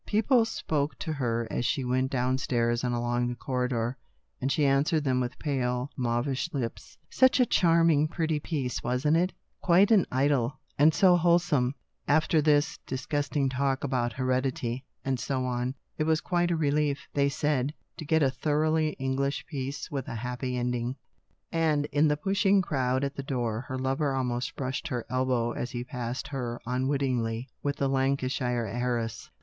People spoke to her as she went down stairs and along the corridor, and she answered them with pale mauvish lips. Such a charming, pretty piece, wasn't it ? Quite an idyl, and so wholesome, after these dis gusting plays about heredity, and so on. .. It was quite a relief, they said, to get a A COMEDY IN REAL LIFE. 213 thoroughly English piece with a happy ending. And in the pushing crowd at the door her lover almost brushed her elbow as he passed her unwittingly with the Lancashire heiress.